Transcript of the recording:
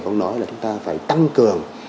còn nói là chúng ta phải tăng cường